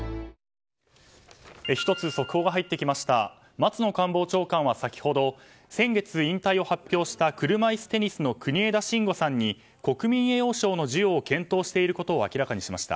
松野官房長官は先ほど先月、引退を発表した車いすテニスの国枝慎吾さんに国民栄誉賞の授与を検討していることを明らかにしました。